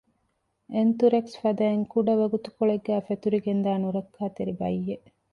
އެންތުރެކްސް ފަދައިން ކުޑަ ވަގުތުކޮޅެއްގައި ފެތުރިގެންދާ ނުރައްކާތެރި ބައްޔެއް